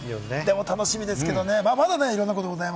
楽しみですけれどもね。